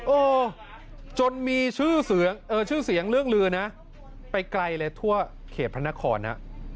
โอ้จนมีชื่อเสียงเรื่องลือนะไปไกลเลยทั่วเขตพนธคอน